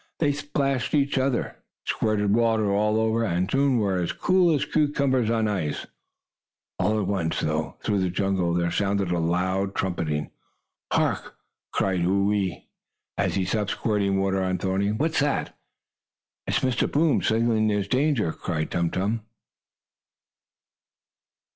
They splashed each other, squirted water all over, and soon were as cool as cucumbers on ice. All at once, through the jungle, there sounded a loud trumpeting. "Hark!" cried Whoo ee, as he stopped squirting water on Thorny. "What's that?" "It's Mr. Boom signaling that there's danger!" cried Tum Tum.